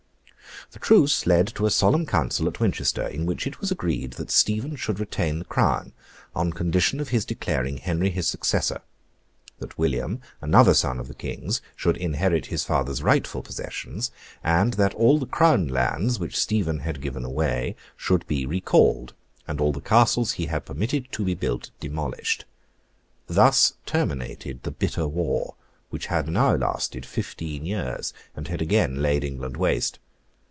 The truce led to a solemn council at Winchester, in which it was agreed that Stephen should retain the crown, on condition of his declaring Henry his successor; that William, another son of the King's, should inherit his father's rightful possessions; and that all the Crown lands which Stephen had given away should be recalled, and all the Castles he had permitted to be built demolished. Thus terminated the bitter war, which had now lasted fifteen years, and had again laid England waste.